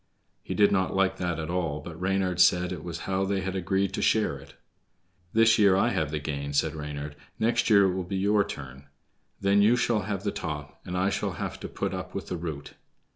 He did not like that at all, but Reynard said it was how they had agreed to share it. "This year I have the gain," said Reynard; "next year it will be your turn. Then you shall have the top, and I shall have to put up with the root."